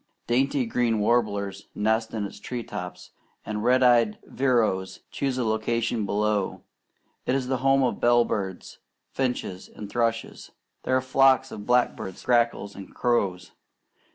Dainty green warblers nest in its tree tops, and red eyed vireos choose a location below. It is the home of bell birds, finches, and thrushes. There are flocks of blackbirds, grackles, and crows.